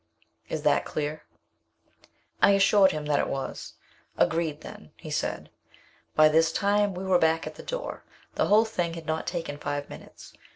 Is that clear?" I assured him that it was. "Agreed then," he said. By this time we were back at the door. The whole thing had not taken five minutes.